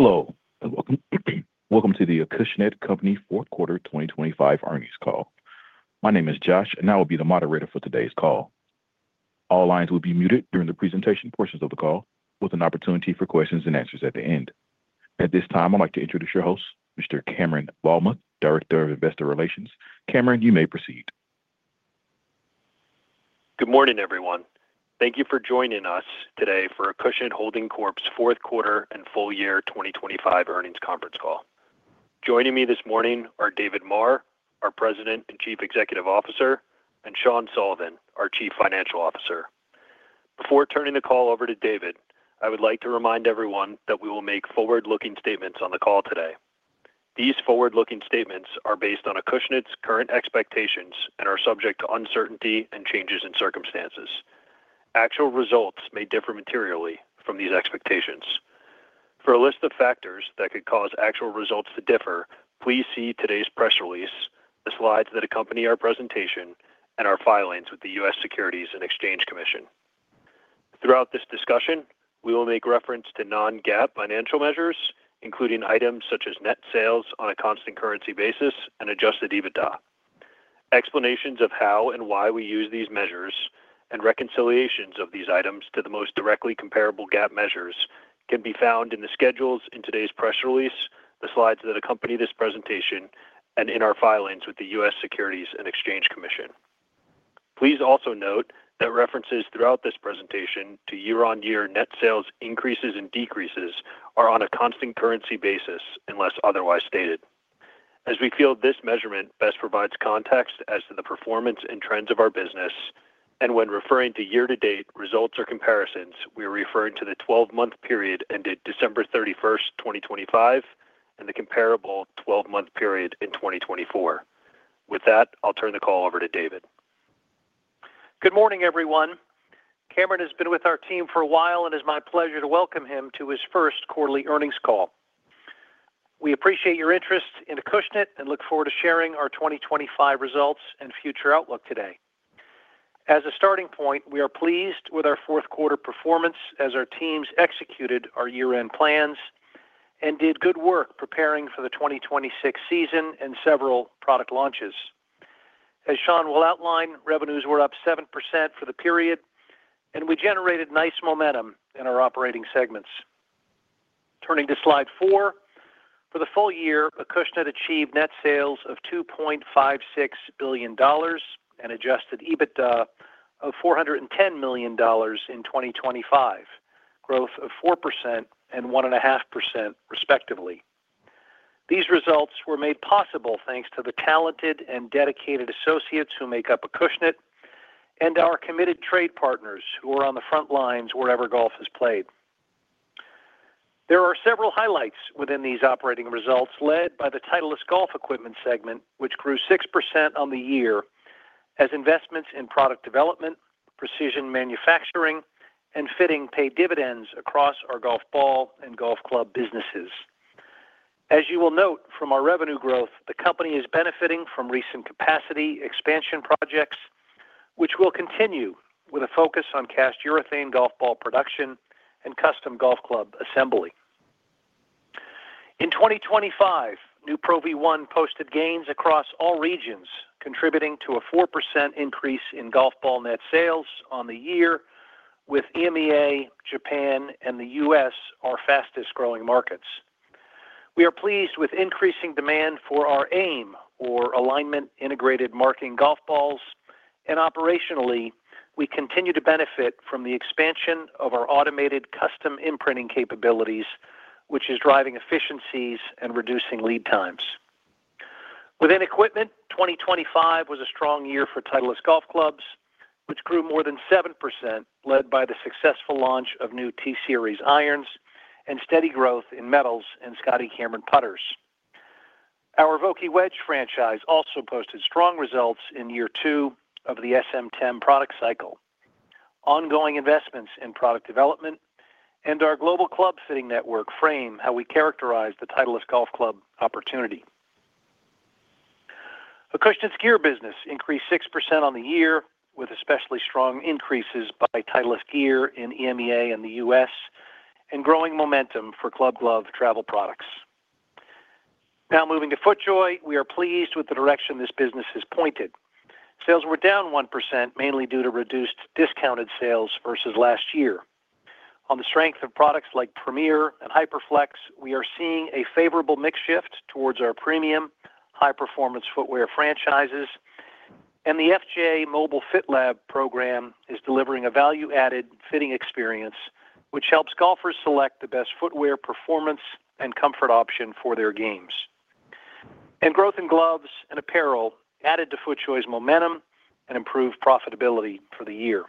Hello and welcome to the Acushnet Company fourth quarter 2025 earnings call. My name is Josh, and I will be the moderator for today's call. All lines will be muted during the presentation portions of the call, with an opportunity for questions and answers at the end. At this time, I'd like to introduce your host, Mr. Cameron Vollmer, Director of Investor Relations. Cameron, you may proceed. Good morning, everyone. Thank you for joining us today for Acushnet Holdings Corp.'s fourth quarter and full year 2025 earnings conference call. Joining me this morning are David Maher, our President and Chief Executive Officer, and Sean Sullivan, our Chief Financial Officer. Before turning the call over to David, I would like to remind everyone that we will make forward-looking statements on the call today. These forward-looking statements are based on Acushnet's current expectations and are subject to uncertainty and changes in circumstances. Actual results may differ materially from these expectations. For a list of factors that could cause actual results to differ, please see today's press release, the slides that accompany our presentation, and our filings with the U.S. Securities and Exchange Commission. Throughout this discussion, we will make reference to non-GAAP financial measures, including items such as net sales on a constant currency basis and adjusted EBITDA. Explanations of how and why we use these measures and reconciliations of these items to the most directly comparable GAAP measures can be found in the schedules in today's press release, the slides that accompany this presentation, and in our filings with the U.S. Securities and Exchange Commission. Please also note that references throughout this presentation to year-on-year net sales increases and decreases are on a constant currency basis, unless otherwise stated. We feel this measurement best provides context as to the performance and trends of our business, and when referring to year-to-date results or comparisons, we are referring to the 12-month period ended December 31st, 2025, and the comparable 12-month period in 2024. With that, I'll turn the call over to David. Good morning, everyone. Cameron has been with our team for a while, and it's my pleasure to welcome him to his first quarterly earnings call. We appreciate your interest in Acushnet and look forward to sharing our 2025 results and future outlook today. As a starting point, we are pleased with our fourth quarter performance as our teams executed our year-end plans and did good work preparing for the 2026 season and several product launches. As Sean will outline, revenues were up 7% for the period, and we generated nice momentum in our operating segments. Turning to slide four. For the full year, Acushnet achieved net sales of $2.56 billion and adjusted EBITDA of $410 million in 2025, growth of 4% and 1.5%, respectively. These results were made possible thanks to the talented and dedicated associates who make up Acushnet and our committed trade partners who are on the front lines wherever golf is played. There are several highlights within these operating results, led by the Titleist Golf Equipment segment, which grew 6% on the year as investments in product development, precision manufacturing, and fitting paid dividends across our golf ball and golf club businesses. As you will note from our revenue growth, the company is benefiting from recent capacity expansion projects, which will continue with a focus on cast urethane golf ball production and custom golf club assembly. In 2025, new Pro V1 posted gains across all regions, contributing to a 4% increase in golf ball net sales on the year with EMEA, Japan, and the U.S., our fastest growing markets. We are pleased with increasing demand for our AIM, or Alignment Integrated Marking golf balls. Operationally, we continue to benefit from the expansion of our automated custom imprinting capabilities, which is driving efficiencies and reducing lead times. Within equipment, 2025 was a strong year for Titleist Golf Clubs, which grew more than 7%, led by the successful launch of new T-Series irons and steady growth in metals and Scotty Cameron putters. Our Vokey Wedge franchise also posted strong results in year two of the SM10 product cycle. Ongoing investments in product development and our global club fitting network frame how we characterize the Titleist Golf Club opportunity. Acushnet's gear business increased 6% on the year, with especially strong increases by Titleist Gear in EMEA and the U.S. and growing momentum for Club Glove travel products. Now moving to FootJoy, we are pleased with the direction this business is pointed. Sales were down 1%, mainly due to reduced discounted sales versus last year. On the strength of products like Premiere and HyperFlex, we are seeing a favorable mix shift towards our premium high-performance footwear franchises, and the FJ Mobile Fit Lab program is delivering a value-added fitting experience, which helps golfers select the best footwear, performance, and comfort option for their games. Growth in gloves and apparel added to FootJoy's momentum and improved profitability for the year.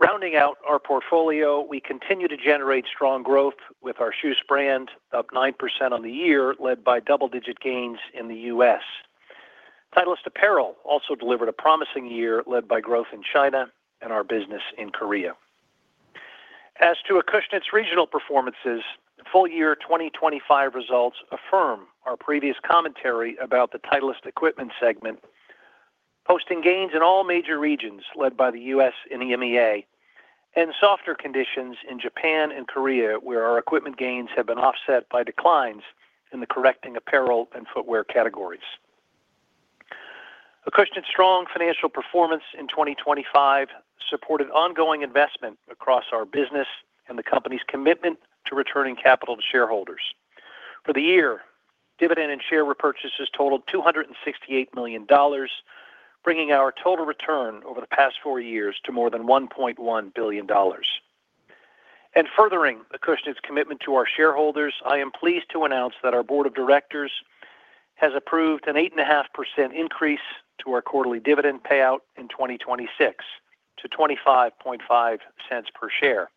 Rounding out our portfolio, we continue to generate strong growth with our KJUS brand, up 9% on the year, led by double-digit gains in the U.S. Titleist Apparel also delivered a promising year, led by growth in China and our business in Korea. As to Acushnet's regional performances, full year 2025 results affirm our previous commentary about the Titleist equipment segment, posting gains in all major regions, led by the U.S. and EMEA, and softer conditions in Japan and Korea, where our equipment gains have been offset by declines in the correcting apparel and footwear categories. Acushnet's strong financial performance in 2025 supported ongoing investment across our business and the company's commitment to returning capital to shareholders. For the year, dividend and share repurchases totaled $268 million, bringing our total return over the past four years to more than $1.1 billion. Furthering Acushnet's commitment to our shareholders, I am pleased to announce that our board of directors has approved an 8.5% increase to our quarterly dividend payout in 2026 to $0.255 per share.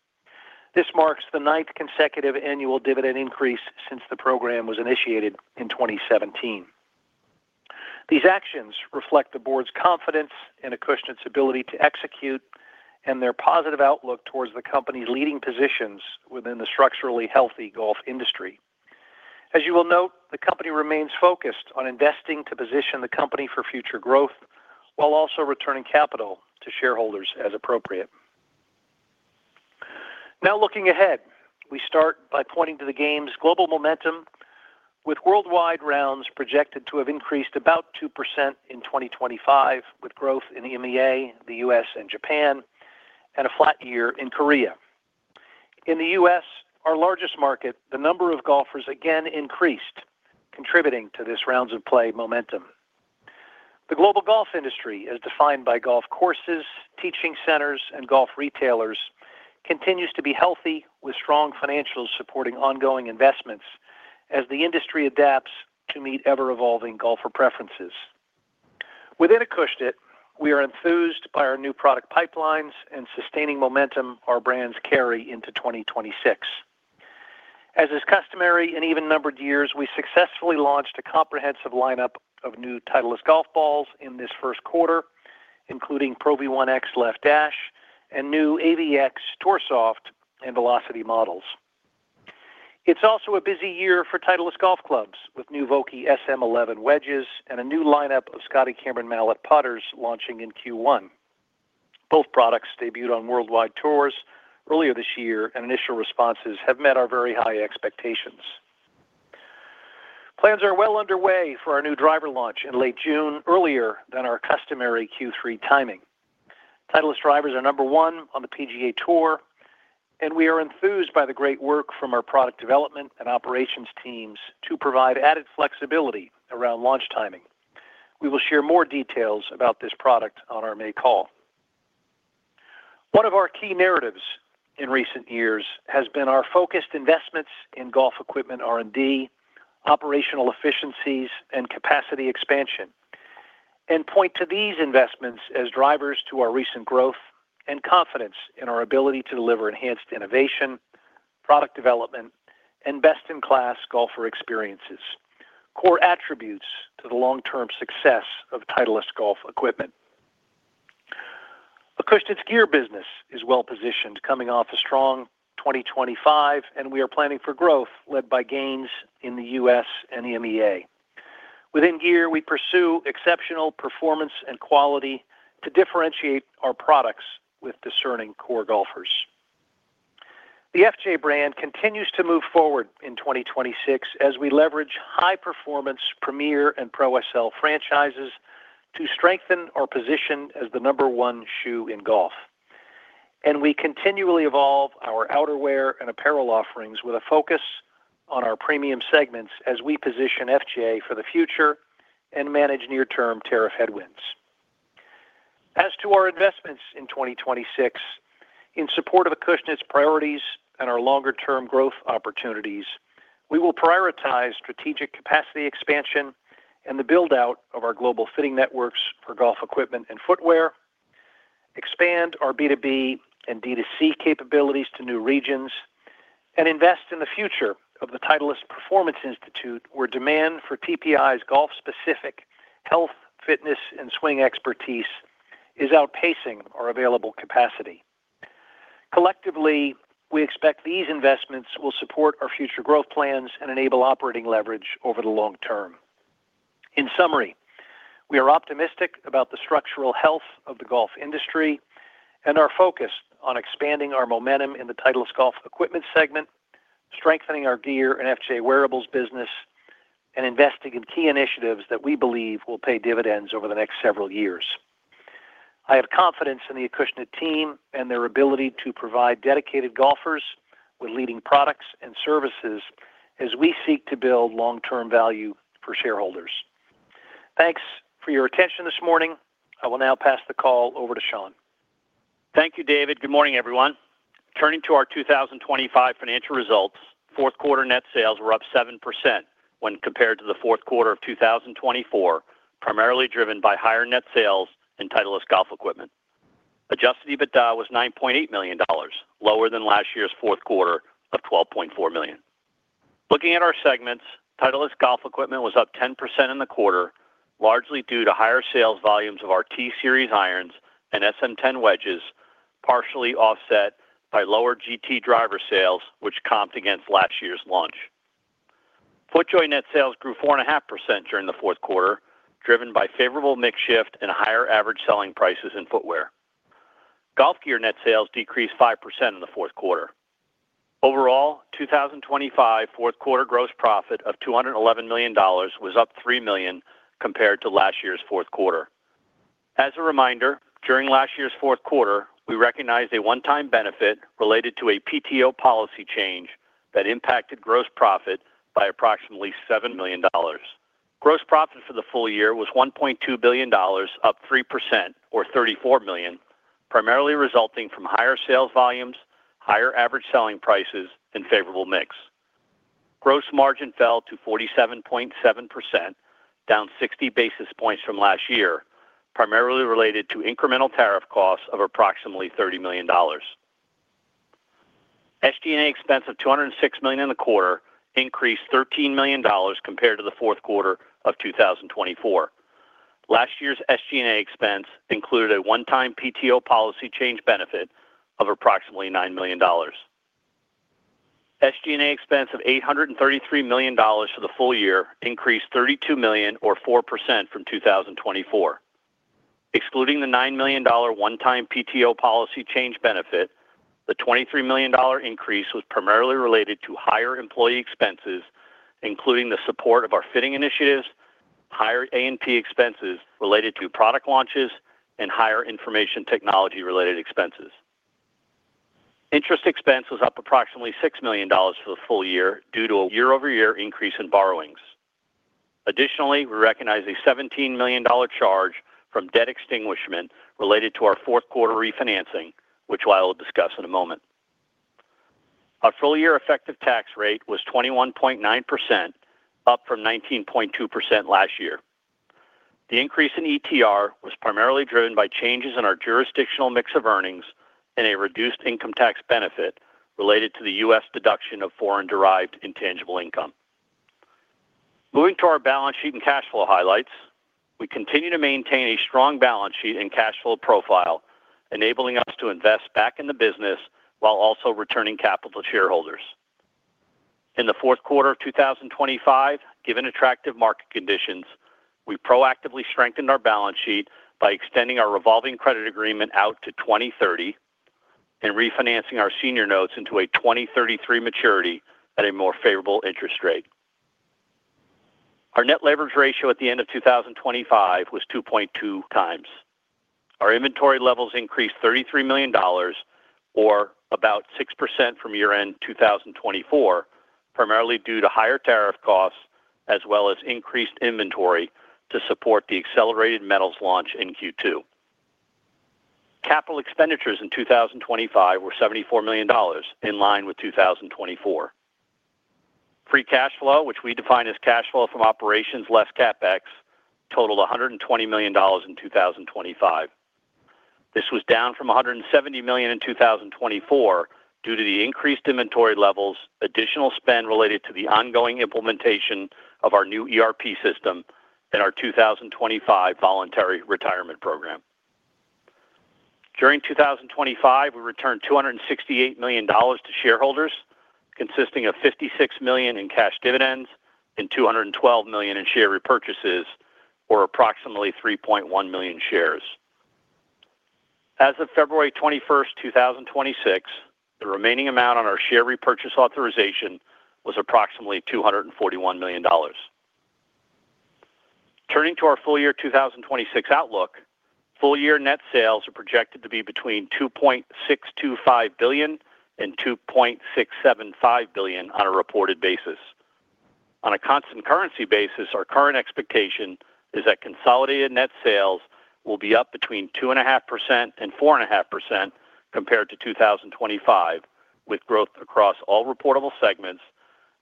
This marks the ninth consecutive annual dividend increase since the program was initiated in 2017. These actions reflect the board's confidence in Acushnet's ability to execute and their positive outlook towards the company's leading positions within the structurally healthy golf industry. As you will note, the company remains focused on investing to position the company for future growth, while also returning capital to shareholders as appropriate. Now, looking ahead, we start by pointing to the game's global momentum, with worldwide rounds projected to have increased about 2% in 2025, with growth in EMEA, the U.S., and Japan, and a flat year in Korea. In the U.S., our largest market, the number of golfers again increased, contributing to this rounds of play momentum. The global golf industry, as defined by golf courses, teaching centers, and golf retailers, continues to be healthy, with strong financials supporting ongoing investments as the industry adapts to meet ever-evolving golfer preferences. Within Acushnet, we are enthused by our new product pipelines and sustaining momentum our brands carry into 2026. As is customary in even-numbered years, we successfully launched a comprehensive lineup of new Titleist Golf Balls in this first quarter, including Pro V1x Left Dash and new AVX Tour Soft and Velocity models. It's also a busy year for Titleist Golf Clubs, with new Vokey SM11 wedges and a new lineup of Scotty Cameron Mallet putters launching in Q1. Both products debuted on worldwide tours earlier this year, and initial responses have met our very high expectations. Plans are well underway for our new driver launch in late June, earlier than our customary Q3 timing. Titleist drivers are number one on the PGA Tour. We are enthused by the great work from our product development and operations teams to provide added flexibility around launch timing. We will share more details about this product on our May call. One of our key narratives in recent years has been our focused investments in golf equipment R&D, operational efficiencies, and capacity expansion, and point to these investments as drivers to our recent growth and confidence in our ability to deliver enhanced innovation, product development, and best-in-class golfer experiences, core attributes to the long-term success of Titleist Golf Equipment. Acushnet's gear business is well positioned, coming off a strong 2025. We are planning for growth led by gains in the U.S. and EMEA. Within gear, we pursue exceptional performance and quality to differentiate our products with discerning core golfers. The FJ brand continues to move forward in 2026 as we leverage high-performance Premiere and Pro/SL franchises to strengthen our position as the number one shoe in golf. We continually evolve our outerwear and apparel offerings with a focus on our premium segments as we position FJ for the future and manage near-term tariff headwinds. To our investments in 2026, in support of Acushnet's priorities and our longer-term growth opportunities, we will prioritize strategic capacity expansion and the build-out of our global fitting networks for golf equipment and footwear, expand our B2B and D2C capabilities to new regions, and invest in the future of the Titleist Performance Institute, where demand for TPI's golf-specific health, fitness, and swing expertise is outpacing our available capacity. Collectively, we expect these investments will support our future growth plans and enable operating leverage over the long term. In summary, we are optimistic about the structural health of the golf industry and are focused on expanding our momentum in the Titleist Golf Equipment segment, strengthening our gear and FJ wearables business, and investing in key initiatives that we believe will pay dividends over the next several years. I have confidence in the Acushnet team and their ability to provide dedicated golfers with leading products and services as we seek to build long-term value for shareholders. Thanks for your attention this morning. I will now pass the call over to Sean. Thank you, David. Good morning, everyone. Turning to our 2025 financial results, fourth quarter net sales were up 7% when compared to the fourth quarter of 2024, primarily driven by higher net sales in Titleist Golf Equipment. Adjusted EBITDA was $9.8 million, lower than last year's fourth quarter of $12.4 million. Looking at our segments, Titleist Golf Equipment was up 10% in the quarter, largely due to higher sales volumes of our T-Series irons and SM10 wedges, partially offset by lower GT driver sales, which comped against last year's launch. FootJoy net sales grew 4.5% during the fourth quarter, driven by favorable mix shift and higher average selling prices in footwear. Golf gear net sales decreased 5% in the fourth quarter. Overall, 2025 fourth quarter gross profit of $211 million was up $3 million compared to last year's fourth quarter. As a reminder, during last year's fourth quarter, we recognized a one-time benefit related to a PTO policy change that impacted gross profit by approximately $7 million. Gross profit for the full year was $1.2 billion, up 3% or $34 million, primarily resulting from higher sales volumes, higher average selling prices, and favorable mix. Gross margin fell to 47.7%, down 60 basis points from last year, primarily related to incremental tariff costs of approximately $30 million. SG&A expense of $206 million in the quarter increased $13 million compared to the fourth quarter of 2024. Last year's SG&A expense included a one-time PTO policy change benefit of approximately $9 million. SG&A expense of $833 million for the full year increased $32 million or 4% from 2024. Excluding the $9 million one-time PTO policy change benefit, the $23 million increase was primarily related to higher employee expenses, including the support of our fitting initiatives, higher A&P expenses related to product launches, and higher information technology-related expenses. Interest expense was up approximately $6 million for the full year due to a year-over-year increase in borrowings. Additionally, we recognized a $17 million charge from debt extinguishment related to our fourth quarter refinancing, which I will discuss in a moment. Our full year effective tax rate was 21.9%, up from 19.2% last year. The increase in ETR was primarily driven by changes in our jurisdictional mix of earnings and a reduced income tax benefit related to the U.S. deduction of foreign-derived intangible income. Moving to our balance sheet and cash flow highlights, we continue to maintain a strong balance sheet and cash flow profile, enabling us to invest back in the business while also returning capital to shareholders. In the fourth quarter of 2025, given attractive market conditions, we proactively strengthened our balance sheet by extending our revolving credit agreement out to 2030, and refinancing our senior notes into a 2033 maturity at a more favorable interest rate. Our net leverage ratio at the end of 2025 was 2.2x. Our inventory levels increased $33 million or about 6% from year-end 2024, primarily due to higher tariff costs, as well as increased inventory to support the accelerated metals launch in Q2. Capital expenditures in 2025 were $74 million, in line with 2024. Free cash flow, which we define as cash flow from operations less CapEx, totaled $120 million in 2025. This was down from $170 million in 2024 due to the increased inventory levels, additional spend related to the ongoing implementation of our new ERP system, and our 2025 voluntary retirement program. During 2025, we returned $268 million to shareholders, consisting of $56 million in cash dividends and $212 million in share repurchases, or approximately 3.1 million shares. As of February 21st, 2026, the remaining amount on our share repurchase authorization was approximately $241 million. Turning to our full year 2026 outlook, full year net sales are projected to be between $2.625 billion and $2.675 billion on a reported basis. On a constant currency basis, our current expectation is that consolidated net sales will be up between 2.5% and 4.5% compared to 2025, with growth across all reportable segments,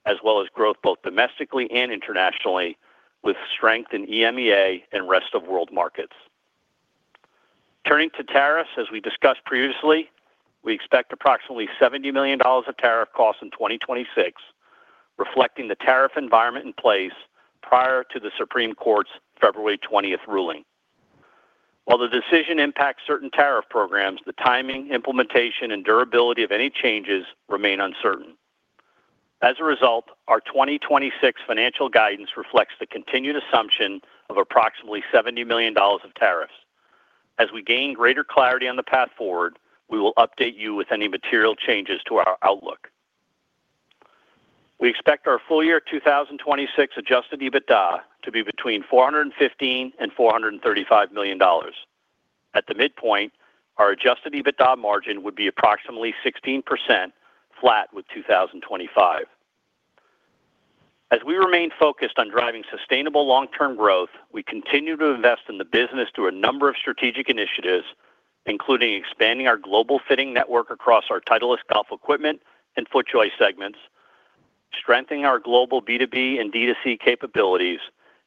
as well as growth both domestically and internationally, with strength in EMEA and rest of world markets. Turning to tariffs, as we discussed previously, we expect approximately $70 million of tariff costs in 2026, reflecting the tariff environment in place prior to the Supreme Court's February 20th ruling. While the decision impacts certain tariff programs, the timing, implementation, and durability of any changes remain uncertain. As a result, our 2026 financial guidance reflects the continued assumption of approximately $70 million of tariffs. As we gain greater clarity on the path forward, we will update you with any material changes to our outlook. We expect our full year 2026 adjusted EBITDA to be between $415 million and $435 million. At the midpoint, our adjusted EBITDA margin would be approximately 16% flat with 2025. As we remain focused on driving sustainable long-term growth, we continue to invest in the business through a number of strategic initiatives, including expanding our global fitting network across our Titleist Golf Equipment and FootJoy segments, strengthening our global B2B and B2C capabilities,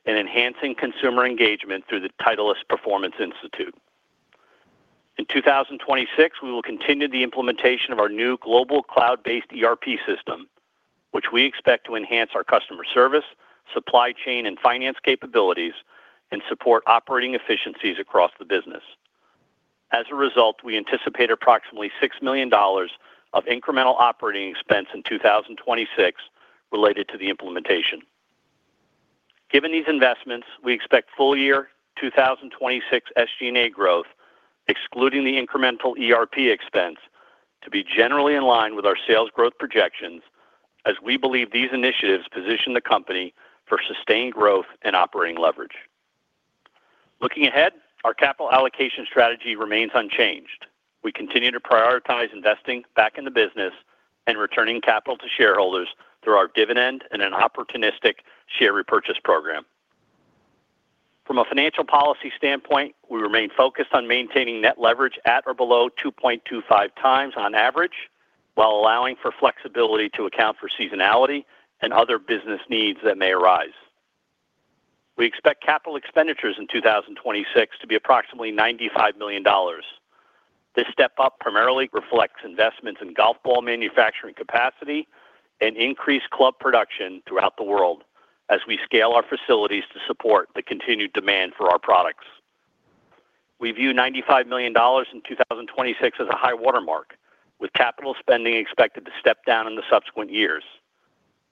and enhancing consumer engagement through the Titleist Performance Institute. In 2026, we will continue the implementation of our new global cloud-based ERP system, which we expect to enhance our customer service, supply chain, and finance capabilities and support operating efficiencies across the business. As a result, we anticipate approximately $6 million of incremental operating expense in 2026 related to the implementation. Given these investments, we expect full year 2026 SG&A growth, excluding the incremental ERP expense, to be generally in line with our sales growth projections, as we believe these initiatives position the company for sustained growth and operating leverage. Looking ahead, our capital allocation strategy remains unchanged. We continue to prioritize investing back in the business and returning capital to shareholders through our dividend and an opportunistic share repurchase program. From a financial policy standpoint, we remain focused on maintaining net leverage at or below 2.25x on average, while allowing for flexibility to account for seasonality and other business needs that may arise. We expect capital expenditures in 2026 to be approximately $95 million. This step up primarily reflects investments in golf ball manufacturing capacity and increased club production throughout the world as we scale our facilities to support the continued demand for our products. We view $95 million in 2026 as a high watermark, with capital spending expected to step down in the subsequent years.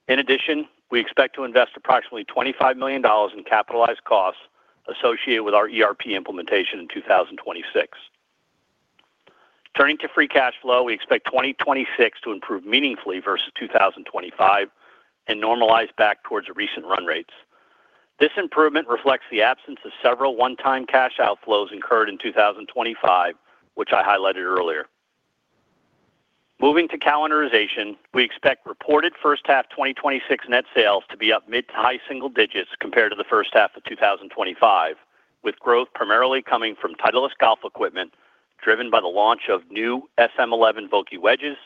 In addition, we expect to invest approximately $25 million in capitalized costs associated with our ERP implementation in 2026. Turning to free cash flow, we expect 2026 to improve meaningfully versus 2025 and normalize back towards recent run rates. This improvement reflects the absence of several one-time cash outflows incurred in 2025, which I highlighted earlier. Moving to calendarization, we expect reported first half 2026 net sales to be up mid to high single digits compared to the first half of 2025, with growth primarily coming from Titleist Golf Equipment, driven by the launch of new SM11 Vokey wedges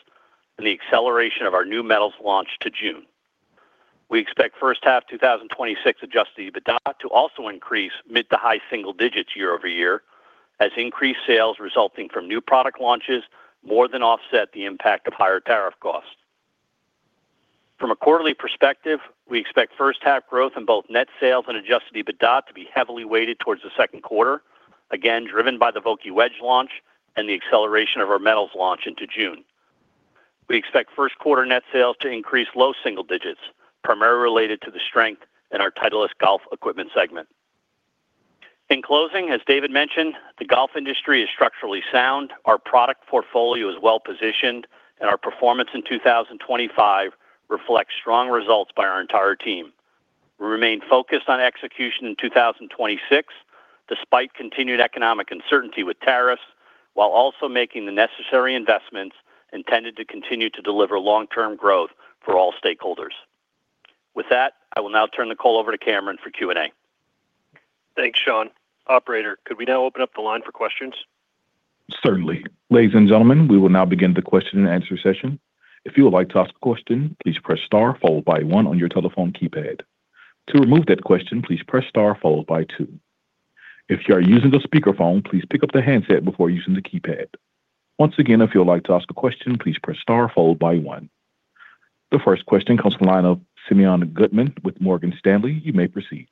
and the acceleration of our new metals launch to June. We expect first half 2026 adjusted EBITDA to also increase mid to high single digits year-over-year, as increased sales resulting from new product launches more than offset the impact of higher tariff costs. From a quarterly perspective, we expect first half growth in both net sales and adjusted EBITDA to be heavily weighted towards the second quarter, again, driven by the Vokey wedge launch and the acceleration of our metals launch into June. We expect first quarter net sales to increase low single digits, primarily related to the strength in our Titleist Golf Equipment segment. In closing, as David mentioned, the golf industry is structurally sound, our product portfolio is well positioned, our performance in 2025 reflects strong results by our entire team. We remain focused on execution in 2026, despite continued economic uncertainty with tariffs, while also making the necessary investments intended to continue to deliver long-term growth for all stakeholders. With that, I will now turn the call over to Cameron for Q&A. Thanks, Sean. Operator, could we now open up the line for questions? Certainly. Ladies and gentlemen, we will now begin the question and answer session. If you would like to ask a question, please press star followed by one on your telephone keypad. To remove that question, please press star followed by two. If you are using the speakerphone, please pick up the handset before using the keypad. Once again, if you would like to ask a question, please press star followed by one. The first question comes from the line of Simeon Gutman with Morgan Stanley. You may proceed.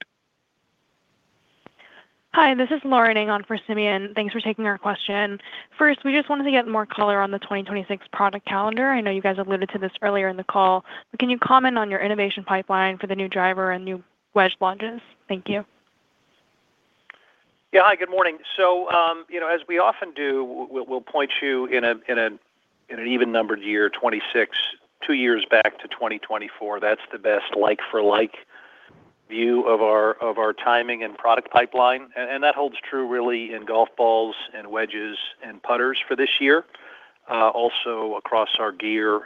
Hi, this is Lauren Ng on for Simeon. Thanks for taking our question. First, we just wanted to get more color on the 2026 product calendar. I know you guys alluded to this earlier in the call, can you comment on your innovation pipeline for the new driver and new wedge launches? Thank you. Yeah, hi, good morning. You know, as we often do, we'll point you in an even-numbered year, 2026, two years back to 2024. That's the best like for like view of our timing and product pipeline. And that holds true really in golf balls and wedges and putters for this year, also across our gear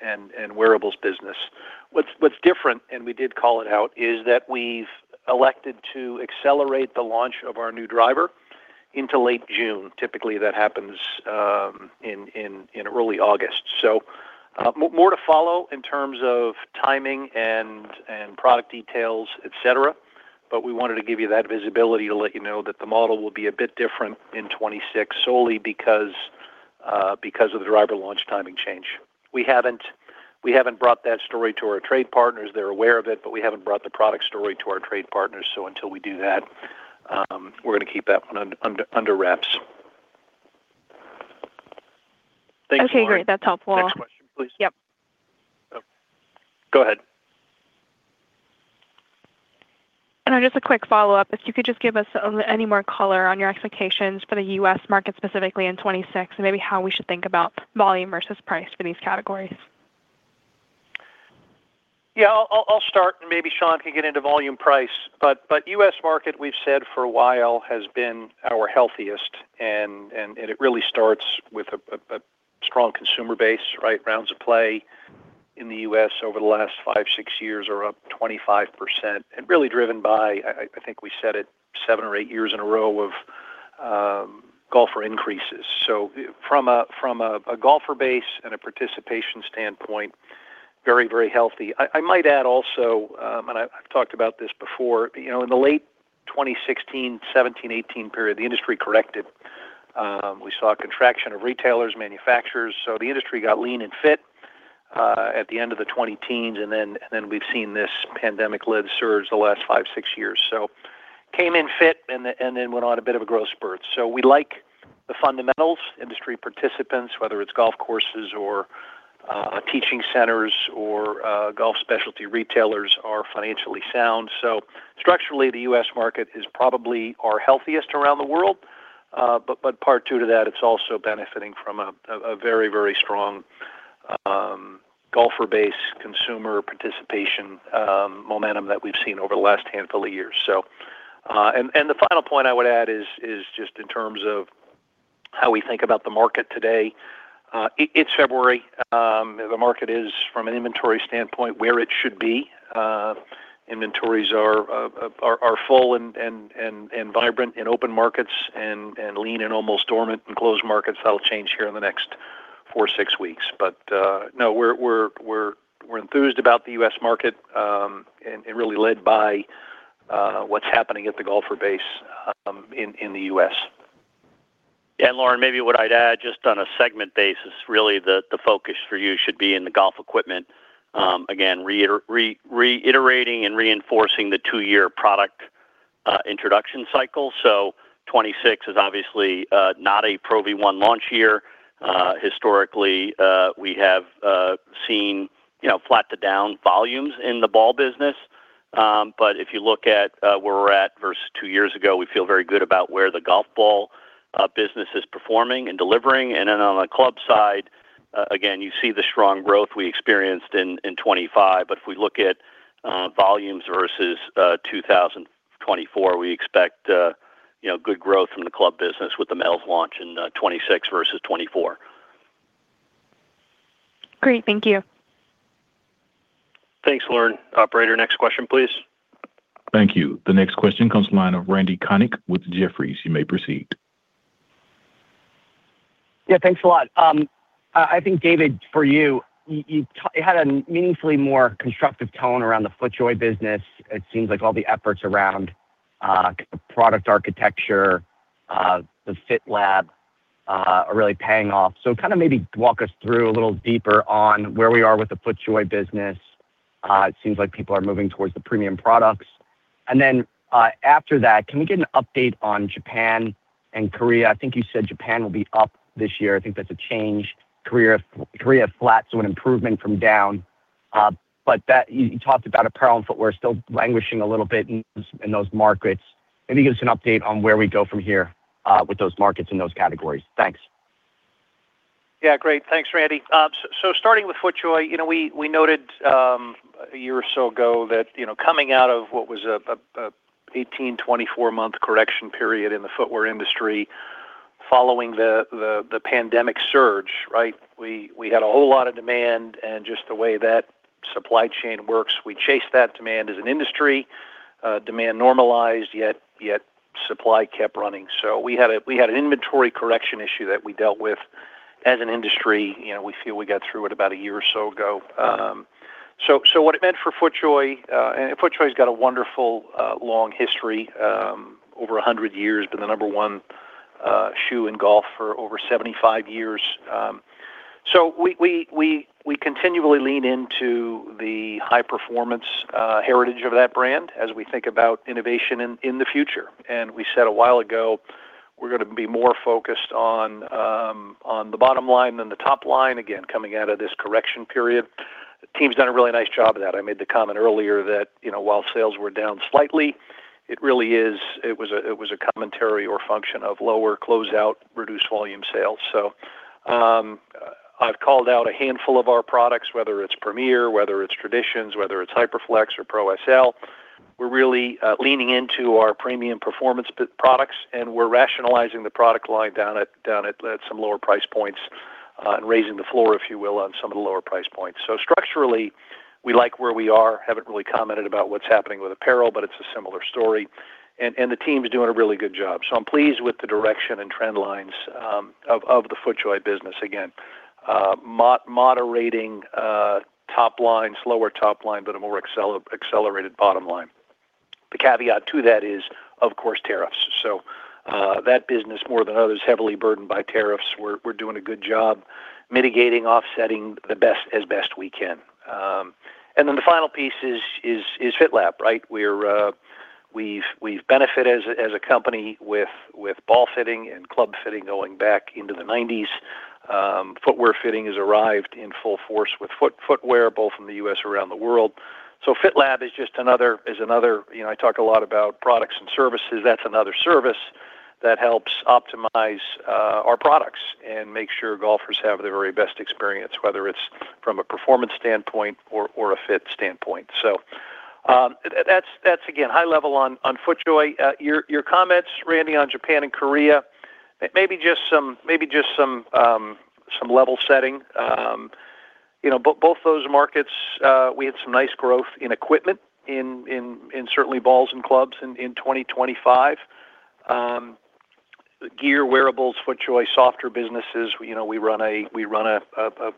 and wearables business. What's different, and we did call it out, is that we've elected to accelerate the launch of our new driver into late June. Typically, that happens in early August. More to follow in terms of timing and product details, et cetera, but we wanted to give you that visibility to let you know that the model will be a bit different in 2026, solely because of the driver launch timing change. We haven't brought that story to our trade partners. They're aware of it, but we haven't brought the product story to our trade partners. Until we do that, we're gonna keep that one under wraps. Thanks, Lauren. Okay, great. That's helpful. Next question, please. Yep. Go ahead. Just a quick follow-up. If you could just give us any more color on your expectations for the U.S. market, specifically in 2026, and maybe how we should think about volume versus price for these categories? Yeah, I'll start, maybe Sean can get into volume price. U.S. market, we've said for a while, has been our healthiest, and it really starts with a strong consumer base, right? Rounds of play in the U.S. over the last five, six years are up 25% and really driven by, I think we said it seven or eight years in a row of golfer increases. From a golfer base and a participation standpoint, very, very healthy. I might add also, and I've talked about this before, you know, in the late 2016, 2017, 2018 period, the industry corrected. We saw a contraction of retailers, manufacturers, so the industry got lean and fit.... at the end of the 2010s, we've seen this pandemic-led surge the last five, six years. Came in fit, went on a bit of a growth spurt. We like the fundamentals, industry participants, whether it's golf courses or teaching centers or golf specialty retailers are financially sound. Structurally, the U.S. market is probably our healthiest around the world, part two to that, it's also benefiting from a very, very strong golfer base, consumer participation, momentum that we've seen over the last handful of years. The final point I would add is just in terms of how we think about the market today. It's February, the market is, from an inventory standpoint, where it should be. Inventories are full and vibrant in open markets, and lean in almost dormant in closed markets. That'll change here in the next four to six weeks. No, we're enthused about the U.S. market, and really led by what's happening at the golfer base, in the U.S. Lauren, maybe what I'd add, just on a segment basis, really, the focus for you should be in the golf equipment. again, reiterating and reinforcing the two-year product introduction cycle. 2026 is obviously not a Pro V1 launch year. Historically, we have seen, you know, flat to down volumes in the ball business. If you look at where we're at versus two years ago, we feel very good about where the golf ball business is performing and delivering. On the club side, again, you see the strong growth we experienced in 2025. If we look at volumes versus 2024, we expect, you know, good growth from the club business with the metals launch in 2026 versus 2024. Great. Thank you. Thanks, Lauren. Operator, next question, please. Thank you. The next question comes from the line of Randy Konik with Jefferies. You may proceed. Yeah, thanks a lot. I think, David, for you had a meaningfully more constructive tone around the FootJoy business. It seems like all the efforts around product architecture, the Fit Lab, are really paying off. Kinda maybe walk us through a little deeper on where we are with the FootJoy business. It seems like people are moving towards the premium products. Then, after that, can we get an update on Japan and Korea? I think you said Japan will be up this year. I think that's a change. Korea flat, so an improvement from down. That you talked about apparel and footwear still languishing a little bit in those markets. Maybe give us an update on where we go from here with those markets and those categories. Thanks. Yeah, great. Thanks, Randy. Starting with FootJoy, you know, we noted a year or so ago that, you know, coming out of what was a 18, 24 month correction period in the footwear industry following the pandemic surge, right? We had a whole lot of demand, and just the way that supply chain works, we chased that demand as an industry. Demand normalized, yet supply kept running. We had an inventory correction issue that we dealt with as an industry. You know, we feel we got through it about a year or so ago. What it meant for FootJoy, and FootJoy's got a wonderful, long history, over 100 years, been the number one shoe in golf for over 75 years. We continually lean into the high performance heritage of that brand as we think about innovation in the future. We said a while ago, we're gonna be more focused on the bottom line than the top line, again, coming out of this correction period. The team's done a really nice job of that. I made the comment earlier that, you know, while sales were down slightly, it was a commentary or function of lower closeout, reduced volume sales. I've called out a handful of our products, whether it's Premiere, whether it's Traditions, whether it's HyperFlex or Pro/SL. We're really leaning into our premium performance products, and we're rationalizing the product line down at some lower price points, and raising the floor, if you will, on some of the lower price points. Structurally, we like where we are. Haven't really commented about what's happening with apparel, but it's a similar story, and the team is doing a really good job. I'm pleased with the direction and trend lines of the FootJoy business. Again, moderating top line, slower top line, but a more accelerated bottom line. The caveat to that is, of course, tariffs. That business, more than others, heavily burdened by tariffs. We're doing a good job mitigating, offsetting the best, as best we can. Then the final piece is Fit Lab, right? We've benefited as a company with ball fitting and club fitting going back into the 90s. Footwear fitting has arrived in full force with footwear, both in the U.S. and around the world. Fit Lab is just another. You know, I talk a lot about products and services. That's another service that helps optimize our products and make sure golfers have the very best experience, whether it's from a performance standpoint or a fit standpoint. That's again, high level on FootJoy. Your comments, Randy, on Japan and Korea, maybe just some level setting. You know, both those markets, we had some nice growth in equipment in certainly balls and clubs in 2025. Gear, wearables, FootJoy, softer businesses, you know, we run a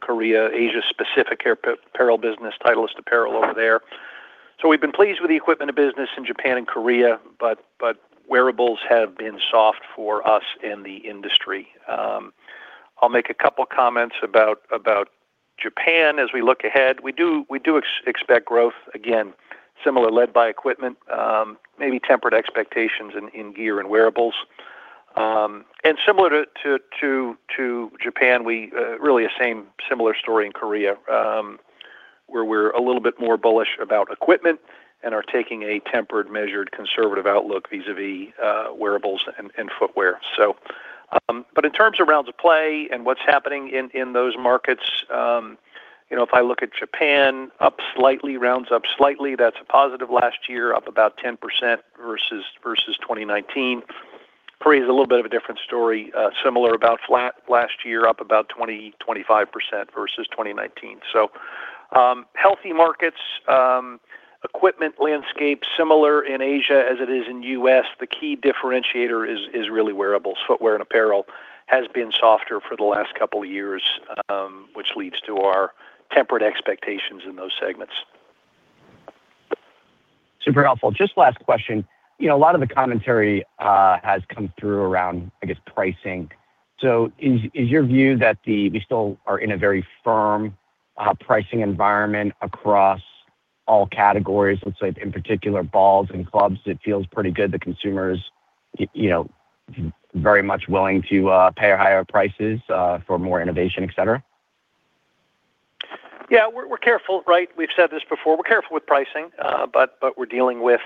Korea, Asia-specific apparel business, Titleist Apparel over there. We've been pleased with the equipment of business in Japan and Korea, but wearables have been soft for us in the industry. I'll make a couple comments about Japan as we look ahead. We do expect growth, again, similar led by equipment, maybe tempered expectations in gear and wearables. Similar to Japan, we really the same similar story in Korea, where we're a little bit more bullish about equipment and are taking a tempered, measured, conservative outlook vis-a-vis wearables and footwear. But in terms of rounds of play and what's happening in those markets, you know, if I look at Japan, up slightly, rounds up slightly, that's a positive last year, up about 10% versus 2019. Korea is a little bit of a different story, similar, about flat last year, up about 20%-25% versus 2019. Healthy markets, equipment landscape, similar in Asia as it is in U.S. The key differentiator is really wearables. Footwear and apparel has been softer for the last couple of years, which leads to our temperate expectations in those segments. Super helpful. Just last question. You know, a lot of the commentary has come through around, I guess, pricing. Is, is your view that we still are in a very firm pricing environment across all categories, let's say, in particular, balls and clubs? It feels pretty good, the consumers, you know, very much willing to pay higher prices for more innovation, et cetera. Yeah, we're careful, right? We've said this before. We're careful with pricing, but we're dealing with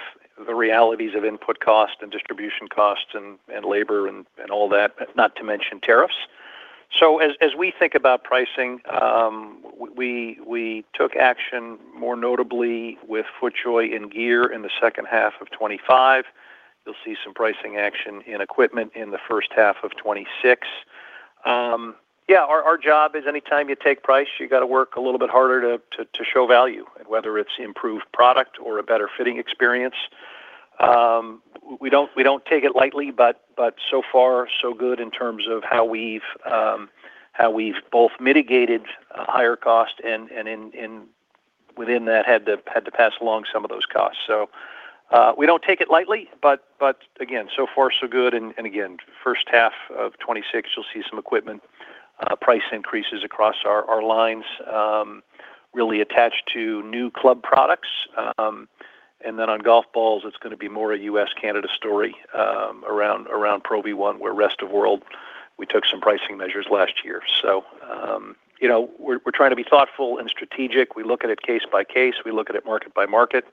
the realities of input cost and distribution costs and labor and all that, not to mention tariffs. As we think about pricing, we took action, more notably with FootJoy and Gear in the second half of 2025. You'll see some pricing action in equipment in the first half of 2026. Yeah, our job is anytime you take price, you got to work a little bit harder to show value, and whether it's improved product or a better fitting experience. We don't take it lightly, but so far, so good in terms of how we've both mitigated a higher cost and within that, had to pass along some of those costs. We don't take it lightly, but again, so far, so good, and again, first half of 2026, you'll see some equipment price increases across our lines, really attached to new club products. And then on golf balls, it's gonna be more a U.S., Canada story, around Pro V1, where rest of world, we took some pricing measures last year. You know, we're trying to be thoughtful and strategic. We look at it case by case, we look at it market by market,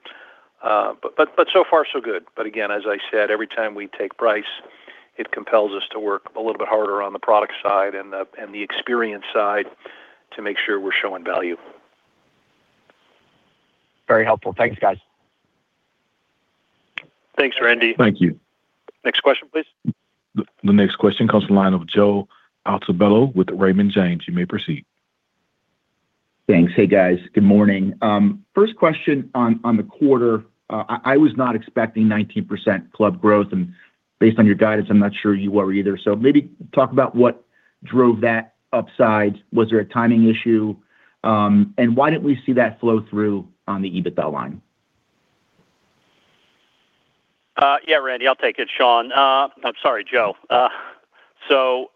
but so far, so good. Again, as I said, every time we take price, it compels us to work a little bit harder on the product side and the, and the experience side to make sure we're showing value. Very helpful. Thanks, guys. Thanks, Randy. Thank you. Next question, please. The next question comes the line of Joe Altobello with Raymond James. You may proceed. Thanks. Hey, guys. Good morning. First question on the quarter, I was not expecting 19% club growth, and based on your guidance, I'm not sure you were either. Maybe talk about what drove that upside. Was there a timing issue? Why didn't we see that flow through on the EBITDA line? Yeah, Randy, I'll take it. Sean. I'm sorry, Joe.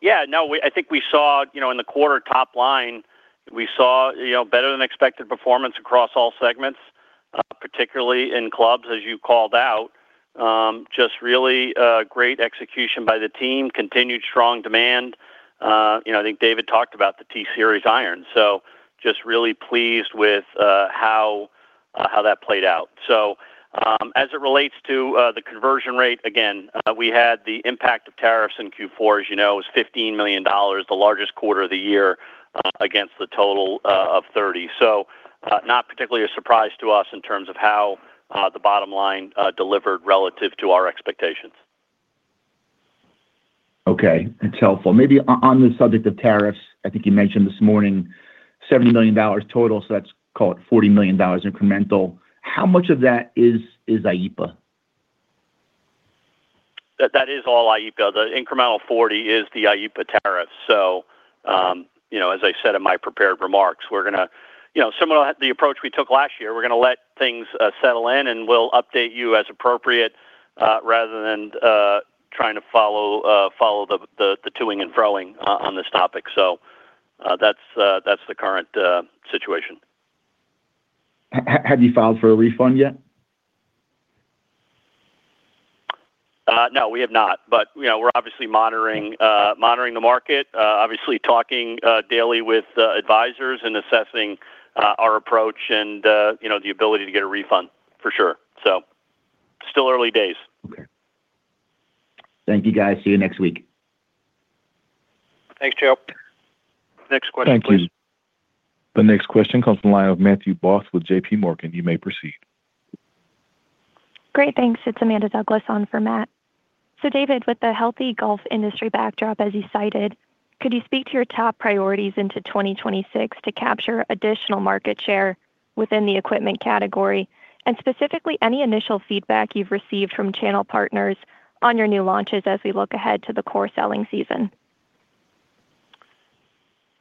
Yeah, no, I think we saw, you know, in the quarter top line, we saw, you know, better than expected performance across all segments, particularly in clubs, as you called out. Just really great execution by the team, continued strong demand. You know, I think David talked about the T-Series iron, just really pleased with how that played out. As it relates to the conversion rate, again, we had the impact of tariffs in Q4, as you know, it was $15 million, the largest quarter of the year, against the total of $30 million. Not particularly a surprise to us in terms of how the bottom line delivered relative to our expectations. Okay, that's helpful. Maybe on the subject of tariffs, I think you mentioned this morning, $70 million total, so let's call it $40 million incremental. How much of that is IEEPA? That is all IEEPA. The incremental 40 is the IEEPA tariff. You know, as I said in my prepared remarks, we're gonna you know, similar to the approach we took last year, we're gonna let things settle in, and we'll update you as appropriate, rather than trying to follow the toing and froing on this topic. That's the current situation. Have you filed for a refund yet? No, we have not, but, you know, we're obviously monitoring the market, obviously talking daily with advisors and assessing our approach and, you know, the ability to get a refund, for sure. Still early days. Okay. Thank you, guys. See you next week. Thanks, Joe. Thank you. Next question, please. The next question comes from the line of Matthew Boss with JP Morgan. You may proceed. Great, thanks. It's Amanda Douglas on for Matt. David, with the healthy golf industry backdrop, as you cited, could you speak to your top priorities into 2026 to capture additional market share within the equipment category, and specifically, any initial feedback you've received from channel partners on your new launches as we look ahead to the core selling season?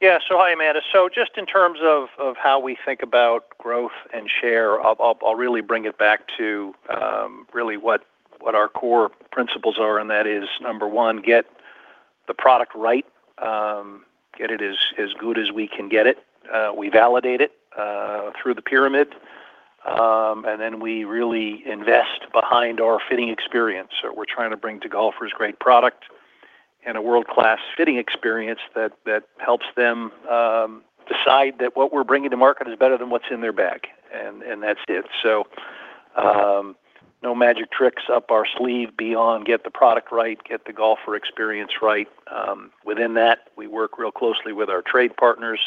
Yeah, hi, Amanda. Just in terms of how we think about growth and share, I'll really bring it back to really what our core principles are, and that is, number one, get the product right, get it as good as we can get it. We validate it through the pyramid, and then we really invest behind our fitting experience. We're trying to bring to golfers great product and a world-class fitting experience that helps them decide that what we're bringing to market is better than what's in their bag, and that's it. No magic tricks up our sleeve beyond get the product right, get the golfer experience right. Within that, we work real closely with our trade partners,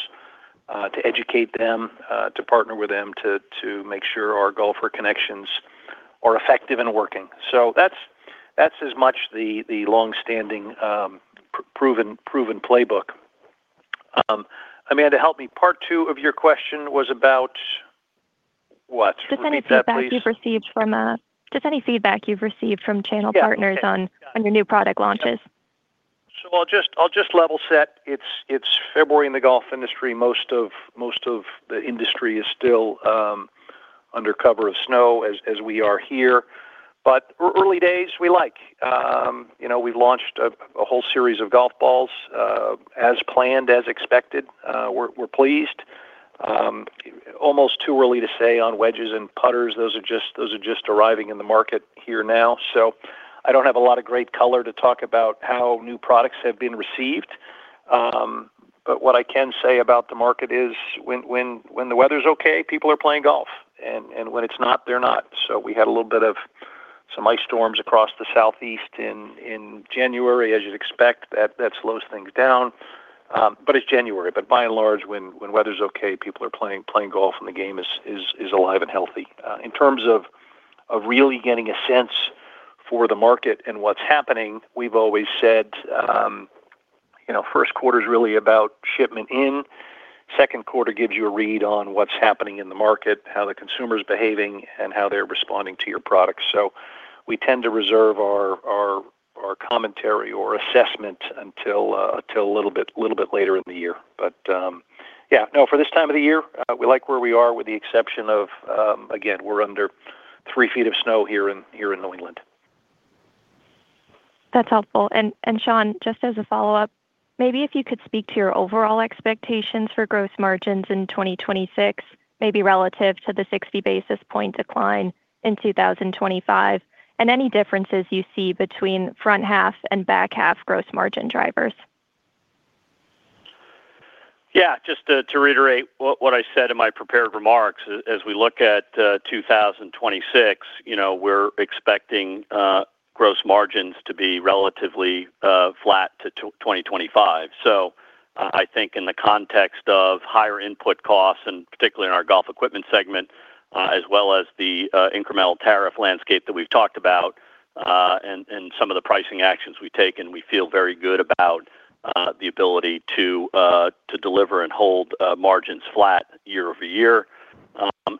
to educate them, to partner with them, to make sure our golfer connections are effective and working. That's as much the long-standing proven playbook. Amanda, help me, part two of your question was about what? Repeat that, please. Just any feedback you've received from channel partners- Yeah. on your new product launches. I'll just level set. It's February in the golf industry. Most of the industry is still under cover of snow as we are here. Early days, we like. You know, we've launched a whole series of golf balls as planned, as expected. We're pleased. Almost too early to say on wedges and putters. Those are just arriving in the market here now. I don't have a lot of great color to talk about how new products have been received. But what I can say about the market is when the weather's okay, people are playing golf, and when it's not, they're not. We had a little bit of some ice storms across the southeast in January, as you'd expect. That slows things down, but it's January. By and large, when weather's okay, people are playing golf, and the game is alive and healthy. In terms of really getting a sense for the market and what's happening, we've always said, you know, first quarter is really about shipment in, second quarter gives you a read on what's happening in the market, how the consumer's behaving, and how they're responding to your products. We tend to reserve our commentary or assessment until a little bit later in the year. Yeah, no, for this time of the year, we like where we are, with the exception of, again, we're under three feet of snow here in New England. That's helpful. Sean, just as a follow-up, maybe if you could speak to your overall expectations for growth margins in 2026, maybe relative to the 60 basis point decline in 2025, and any differences you see between front half and back half gross margin drivers? Yeah, just to reiterate what I said in my prepared remarks, as we look at 2026, you know, we're expecting gross margins to be relatively flat to 2025. I think in the context of higher input costs, and particularly in our golf equipment segment, as well as the incremental tariff landscape that we've talked about, and some of the pricing actions we've taken, we feel very good about the ability to deliver and hold margins flat year-over-year.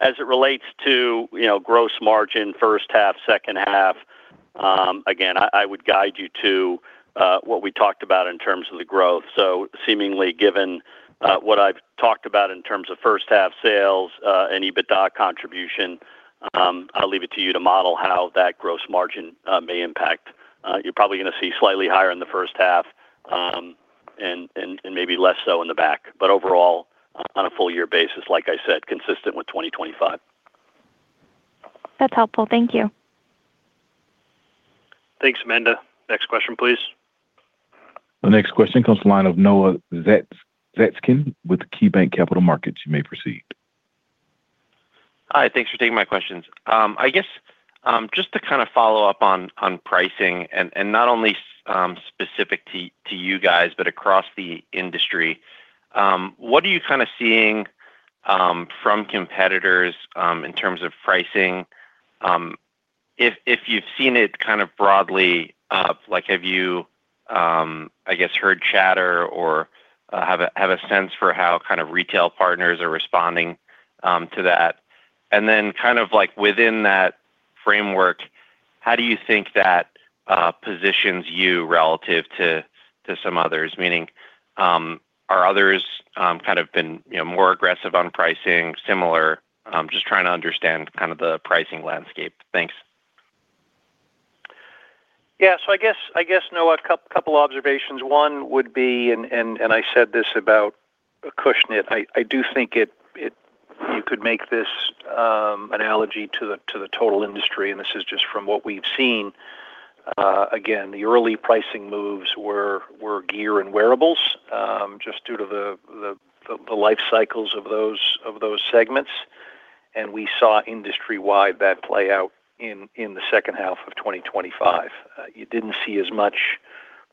As it relates to, you know, gross margin, first half, second half, again, I would guide you to what we talked about in terms of the growth. Seemingly, given what I've talked about in terms of first half sales, and EBITDA contribution, I'll leave it to you to model how that gross margin may impact. You're probably gonna see slightly higher in the first half, and maybe less so in the back. Overall, on a full year basis, like I said, consistent with 2025. That's helpful. Thank you. Thanks, Amanda. Next question, please. The next question comes the line of Noah Zatzkin with KeyBanc Capital Markets. You may proceed. Hi, thanks for taking my questions. I guess, just to kind of follow up on pricing, and not only specific to you guys, but across the industry, what are you kind of seeing from competitors in terms of pricing? If you've seen it kind of broadly, like, have you, I guess, heard chatter or have a sense for how kind of retail partners are responding to that? Then kind of like within that framework, how do you think that positions you relative to some others? Meaning, are others kind of been, you know, more aggressive on pricing? Similar? Just trying to understand kind of the pricing landscape. Thanks. I guess, I guess, Noah, couple observations. One would be, and I said this about Acushnet, I do think you could make this analogy to the total industry, and this is just from what we've seen. Again, the early pricing moves were gear and wearables, just due to the life cycles of those segments, and we saw industry-wide that play out in the second half of 2025. You didn't see as much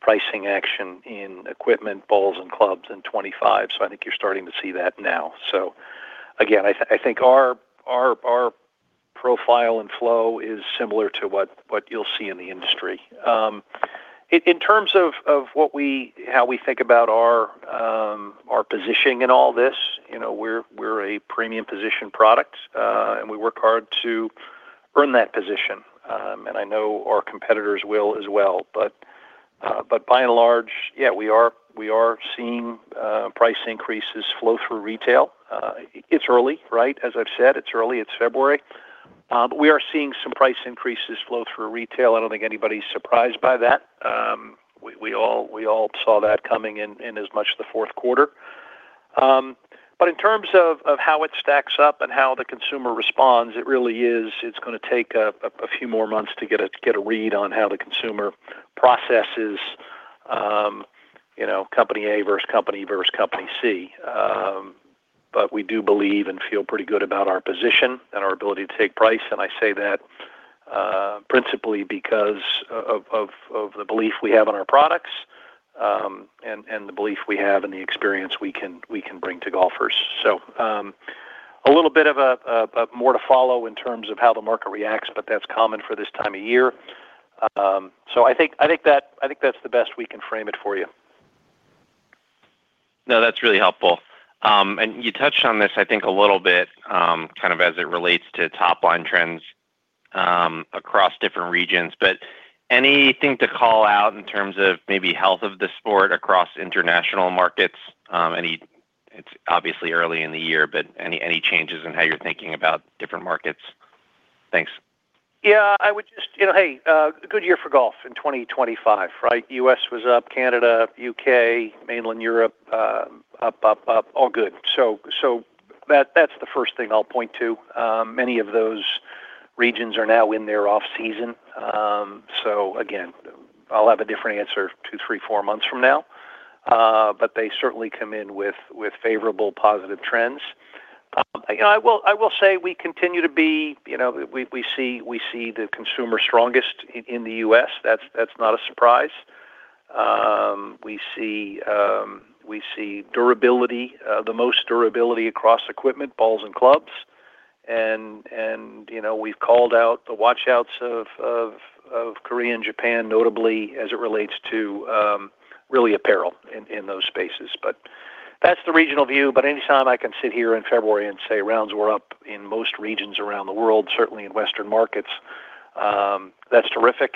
pricing action in equipment, balls, and clubs in 2025, I think you're starting to see that now. Again, I think our profile and flow is similar to what you'll see in the industry. In terms of how we think about our positioning in all this, you know, we're a premium position product, and we work hard to earn that position, and I know our competitors will as well. By and large, yeah, we are seeing price increases flow through retail. It's early, right? As I've said, it's early, it's February. We are seeing some price increases flow through retail. I don't think anybody's surprised by that. We all saw that coming in as much as the fourth quarter. In terms of how it stacks up and how the consumer responds, it really is, it's gonna take a few more months to get a read on how the consumer processes, you know, Company A versus Company B versus Company C. We do believe and feel pretty good about our position and our ability to take price, and I say that, principally because of the belief we have in our products, and the belief we have in the experience we can bring to golfers. A little bit of a more to follow in terms of how the market reacts, but that's common for this time of year. I think that's the best we can frame it for you. No, that's really helpful. You touched on this, I think, a little bit, kind of as it relates to top-line trends, across different regions. Anything to call out in terms of maybe health of the sport across international markets? Any. It's obviously early in the year, but any changes in how you're thinking about different markets? Thanks. Yeah, I would just, you know, hey, good year for golf in 2025, right? U.S. was up, Canada, U.K., mainland Europe, up, up, all good. That's the first thing I'll point to. Many of those regions are now in their off-season. Again, I'll have a different answer two, three, four months from now, but they certainly come in with favorable positive trends. You know, I will say we continue to be, you know, we see the consumer strongest in the U.S. That's not a surprise. We see durability, the most durability across equipment, balls, and clubs. And, you know, we've called out the watch outs of Korea and Japan, notably as it relates to really apparel in those spaces. That's the regional view. Anytime I can sit here in February and say rounds were up in most regions around the world, certainly in Western markets, that's terrific.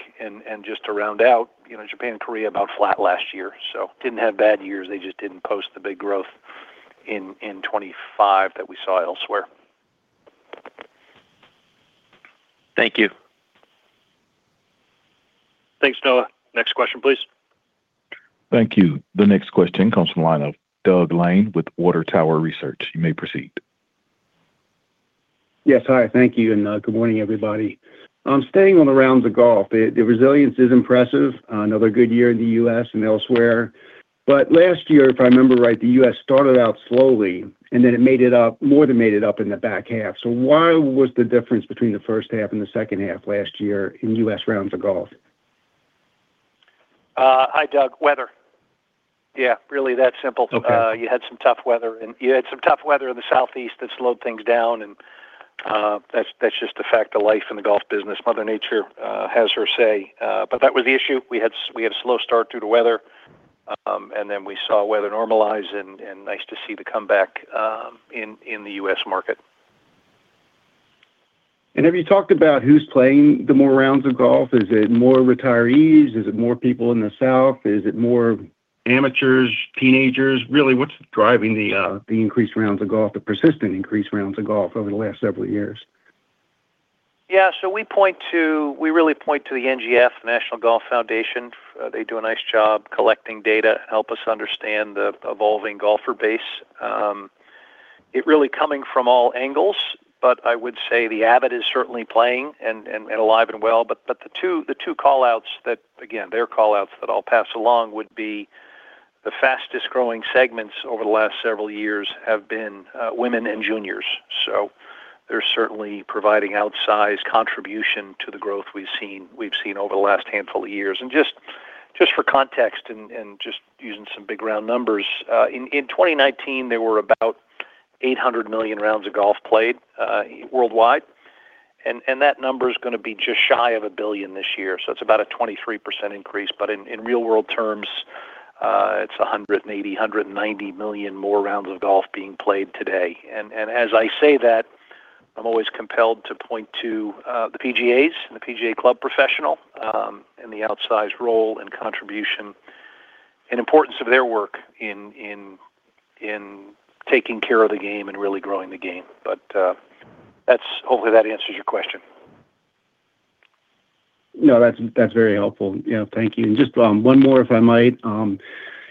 Just to round out, you know, Japan and Korea about flat last year, so didn't have bad years. They just didn't post the big growth in 25 that we saw elsewhere. Thank you. Thanks, Noah. Next question, please. Thank you. The next question comes from the line of Doug Lane with Water Tower Research. You may proceed. Yes. Hi, thank you, and good morning, everybody. I'm staying on the rounds of golf. The, the resilience is impressive, another good year in the U.S. and elsewhere. Last year, if I remember right, the U.S. started out slowly, and then it made it up, more than made it up in the back half. Why was the difference between the first half and the second half last year in U.S. rounds of golf? Hi, Doug. Weather. Yeah, really that simple. Okay. You had some tough weather and you had some tough weather in the Southeast that slowed things down, and, that's just a fact of life in the golf business. Mother Nature has her say, but that was the issue. We had a slow start due to weather, and then we saw weather normalize and nice to see the comeback in the U.S. market. Have you talked about who's playing the more rounds of golf? Is it more retirees? Is it more people in the South? Is it more amateurs, teenagers? Really, what's driving the increased rounds of golf, the persistent increased rounds of golf over the last several years? Yeah, we really point to the NGF, National Golf Foundation. They do a nice job collecting data, help us understand the evolving golfer base. It really coming from all angles, but I would say the avid is certainly playing and alive and well. The two call-outs that, again, their call-outs that I'll pass along would be the fastest-growing segments over the last several years have been women and juniors. They're certainly providing outsized contribution to the growth we've seen over the last handful of years. Just for context and just using some big round numbers, in 2019, there were about 800 million rounds of golf played worldwide, and that number is gonna be just shy of 1 billion this year. It's about a 23% increase, but in real world terms, it's 180 million, 190 million more rounds of golf being played today. As I say that, I'm always compelled to point to the PGAs and the PGA club professional, and the outsized role and contribution and importance of their work in taking care of the game and really growing the game. That's. Hopefully that answers your question. No, that's very helpful. You know, thank you. Just one more, if I might.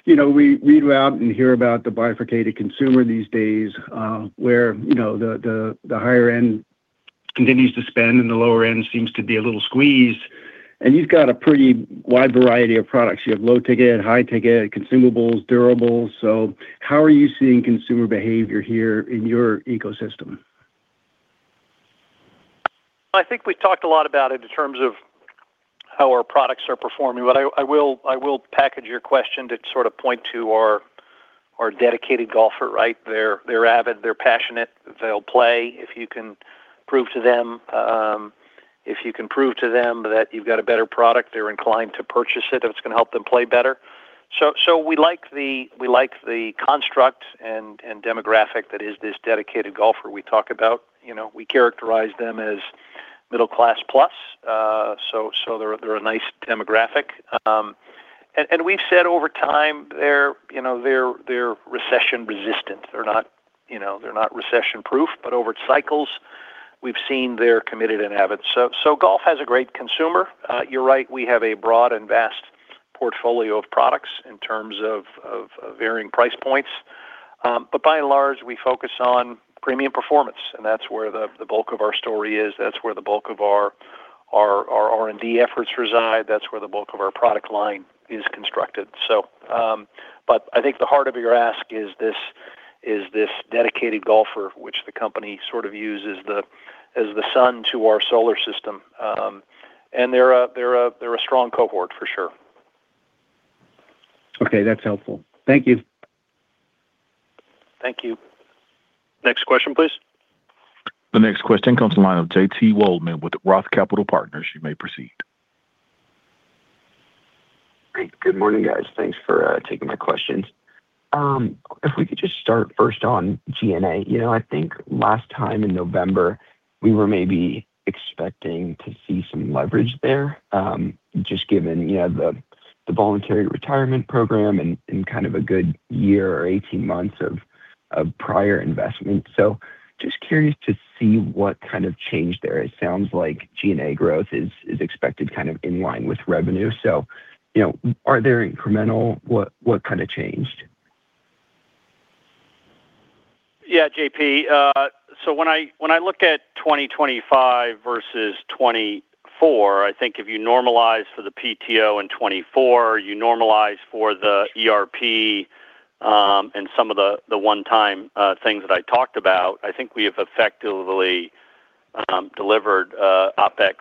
You know, we read about and hear about the bifurcated consumer these days, where, you know, the higher end continues to spend, and the lower end seems to be a little squeezed. You've got a pretty wide variety of products. You have low ticket, high ticket, consumables, durables. How are you seeing consumer behavior here in your ecosystem? I think we talked a lot about it in terms of how our products are performing. I will package your question to sort of point to our dedicated golfer, right. They're avid, they're passionate. They'll play if you can prove to them that you've got a better product, they're inclined to purchase it, if it's gonna help them play better. We like the construct and demographic that is this dedicated golfer we talk about. You know, we characterize them as middle class plus, so they're a nice demographic. We've said over time, they're, you know, they're recession resistant. They're not, you know, they're not recession proof, but over cycles, we've seen they're committed and avid. Golf has a great consumer. You're right, we have a broad and vast portfolio of products in terms of varying price points. By and large, we focus on premium performance, and that's where the bulk of our story is. That's where the bulk of our R&D efforts reside. That's where the bulk of our product line is constructed. I think the heart of your ask is this dedicated golfer, which the company sort of uses the, as the sun to our solar system. They're a strong cohort, for sure. Okay, that's helpful. Thank you. Thank you. Next question, please. The next question comes in line of JP Wollam with ROTH Capital Partners. You may proceed. Great. Good morning, guys. Thanks for taking my questions. If we could just start first on G&A. You know, I think last time in November, we were maybe expecting to see some leverage there, just given, you know, the voluntary retirement program and kind of a good year or 18 months of prior investment. Just curious to see what kind of change there. It sounds like G&A growth is expected kind of in line with revenue. Are there incremental? What kind of changed? Yeah, JP, when I, when I look at 2025 versus 2024, I think if you normalize for the PTO in 2024, you normalize for the ERP, and some of the one-time things that I talked about, I think we have effectively delivered OpEx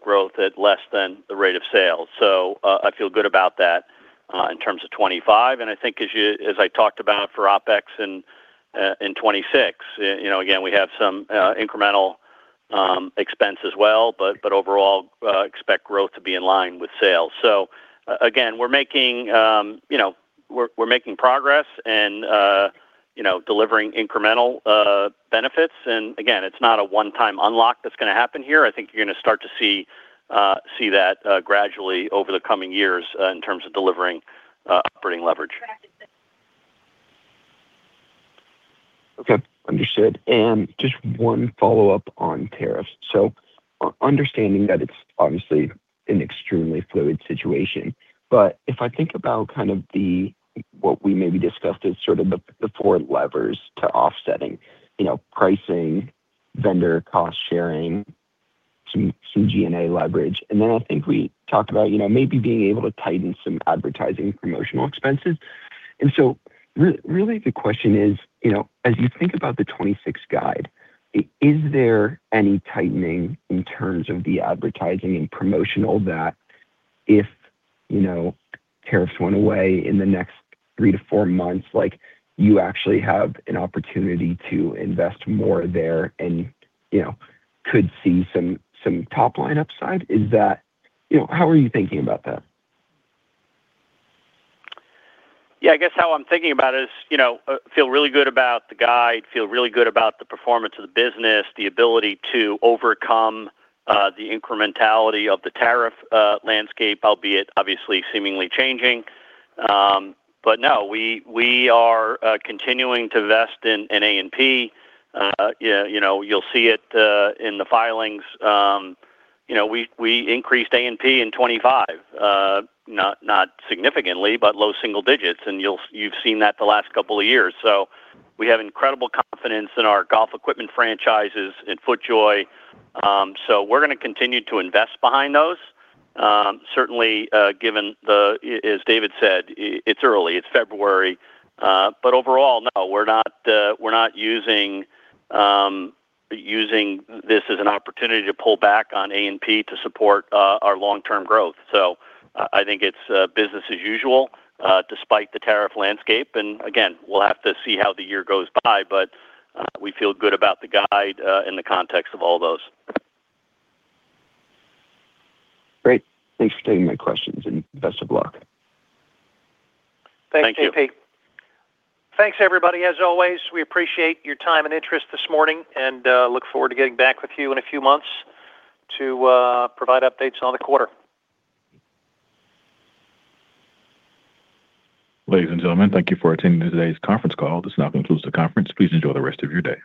growth at less than the rate of sale. I feel good about that in terms of 2025, and I think as I talked about for OpEx in 2026. You know, again, we have some incremental expense as well, but overall expect growth to be in line with sales. Again, we're making, you know, we're making progress and, you know, delivering incremental benefits. Again, it's not a one-time unlock that's gonna happen here. I think you're gonna start to see that gradually over the coming years in terms of delivering operating leverage. Okay, understood. Just one follow-up on tariffs. Understanding that it's obviously an extremely fluid situation, but if I think about kind of the, what we maybe discussed as sort of the four levers to offsetting, you know, pricing, vendor cost sharing, some G&A leverage, and then I think we talked about, you know, maybe being able to tighten some advertising promotional expenses. Really, the question is, you know, as you think about the 2026 guide, is there any tightening in terms of the advertising and promotional that if, you know, tariffs went away in the next three to four months, like, you actually have an opportunity to invest more there and, you know, could see some top line upside? You know, how are you thinking about that? Yeah, I guess how I'm thinking about is, you know, feel really good about the guide, feel really good about the performance of the business, the ability to overcome, the incrementality of the tariff landscape, albeit obviously seemingly changing. No, we are continuing to vest in A&P. Yeah, you know, you'll see it in the filings, you know, we increased A&P in 2025, not significantly, but low single digits, and you've seen that the last couple of years. We have incredible confidence in our golf equipment franchises in FootJoy, so we're gonna continue to invest behind those. Certainly, given the. As David said, it's early, it's February, but overall, no, we're not using this as an opportunity to pull back on A&P to support our long-term growth. I think it's business as usual, despite the tariff landscape, and again, we'll have to see how the year goes by, but we feel good about the guide in the context of all those. Great. Thanks for taking my questions, and best of luck. Thank you. Thanks, JP. Thanks, everybody. As always, we appreciate your time and interest this morning, and look forward to getting back with you in a few months to provide updates on the quarter. Ladies and gentlemen, thank you for attending today's conference call. This now concludes the conference. Please enjoy the rest of your day.